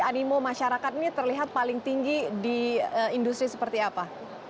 animo masyarakat ini terlihat paling tinggi di industri seperti apa